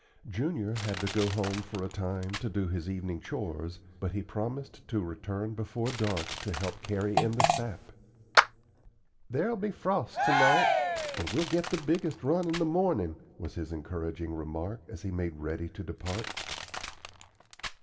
Junior had to go home for a time to do his evening "chores," but he promised to return before dark to help carry in the sap. "There'll be frost to night, and we'll get the biggest run in the morning," was his encouraging remark, as he made ready to depart.